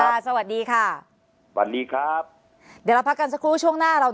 สวัสดีค่ะสวัสดีครับเดี๋ยวเราพักกันสักครู่ช่วงหน้าเรา